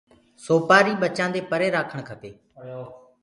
سوپآري ٻچآندي پري رآکڻ کپي۔